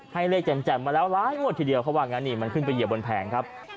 ให้เลขแจ่มมาแล้วหลายงวดทีเดียวเขาว่างั้นนี่มันขึ้นไปเหยียบบนแผงครับ